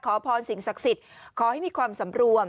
ขอพรสิ่งศักดิ์สิทธิ์ขอให้มีความสำรวม